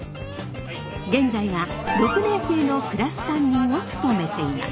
現在は６年生のクラス担任を務めています。